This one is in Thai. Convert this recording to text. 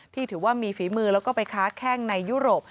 ถือว่ามีฝีมือแล้วก็ไปค้าแข้งในยุโรป